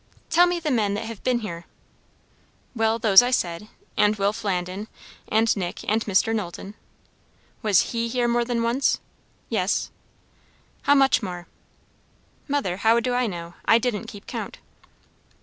"Tell me the men that have been here. "Well, those I said; and Will Flandin, and Nick, and Mr. Knowlton." "Was he here more than once?" "Yes." "How much more?" "Mother, how do I know? I didn't keep count."